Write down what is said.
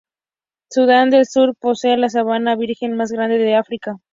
Sudán del Sur posee la sabana virgen más grande de África.